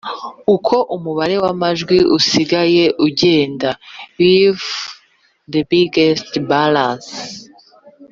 uko umubare w amajwi usigaye ugenda with the biggest balances